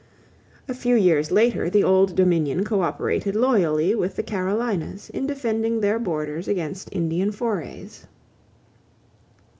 A few years later the Old Dominion coöperated loyally with the Carolinas in defending their borders against Indian forays.